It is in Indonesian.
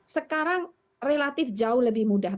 sekarang relatif jauh lebih mudah